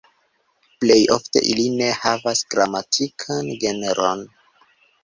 Plej ofte ili ne havas gramatikan genron.